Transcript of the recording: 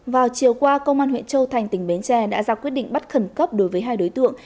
vào chiều qua công an huyện châu thành tỉnh bến tre đã ra quyết định bắt khẩn cấp đối với hai đối tượng